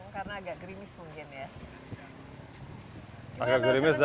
karena agak gerimis mungkin ya